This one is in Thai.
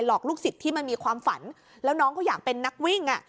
อกลูกศิษย์ที่มันมีความฝันแล้วน้องเขาอยากเป็นนักวิ่งอ่ะ